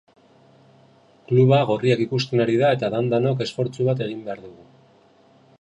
Kluba gorriak ikusten ari da eta dan-danok esfortzu bat egin behar dugu.